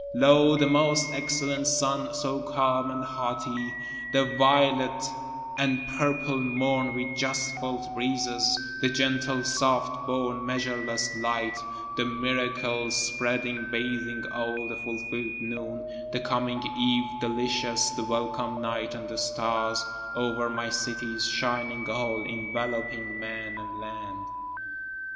Lo, the most excellent sun so calm and haughty, The violet and purple morn with just felt breezes, The gentle soft born measureless light, The miracle spreading bathing all, the fulfill'd noon, The coming eve delicious, the welcome night and the stars, Over my cities shining all, enveloping man and land.